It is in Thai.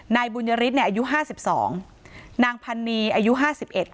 นายบุญยฤทธิเนี่ยอายุห้าสิบสองนางพันนีอายุห้าสิบเอ็ด